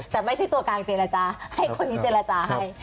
แต่ไม่ใช่ตัวกลางเจรจาให้คนนี้เจรจาให้